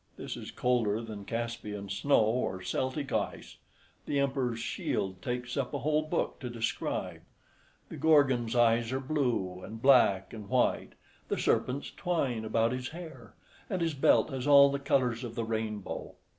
This is colder than Caspian snow, or Celtic ice. The emperor's shield takes up a whole book to describe. The Gorgon's eyes are blue, and black, and white; the serpents twine about his hair, and his belt has all the colours of the rainbow.